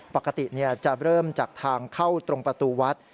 ปกติจะเริ่มจากทางเข้าตรงประตูวัด